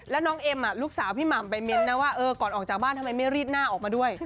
แล้วน้องเอ็มลูกสาวพี่หม่ำไปเน้นนะว่าก่อนออกจากบ้านทำไมไม่รีดหน้าออกมาด้วย